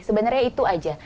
sebenarnya itu saja